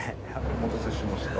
お待たせしました。